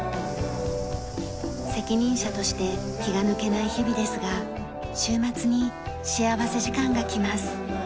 責任者として気が抜けない日々ですが週末に幸福時間がきます。